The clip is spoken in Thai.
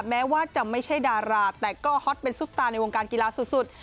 แม้ว่าจะไม่ใช่ดาราแต่ก็ฮอตเป็นซุปตาในวงการกีฬาสุด